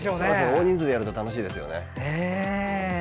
大人数でやると楽しいですよね。